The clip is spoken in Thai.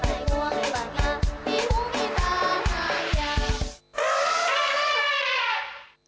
มีเกลียวจำนายงวงหรือหวานงามีหู้มีตาหายาว